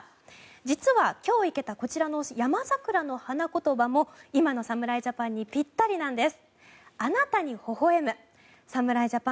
実は今日生けたこちらのヤマザクラの花言葉も今の侍ジャパンにぴったりなんです。